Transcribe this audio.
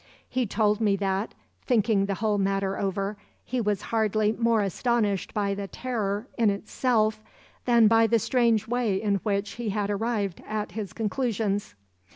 He told me that, thinking the whole matter over, he was hardly more astonished by the Terror in itself than by the strange way in which he had arrived at his conclusions.